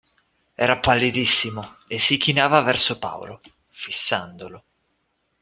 Era pallidissimo e si chinava verso Paolo, fissandolo.